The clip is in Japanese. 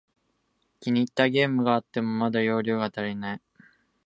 気に入ったゲームがあっても、また容量が足りない